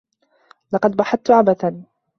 لقد بحثت عبثا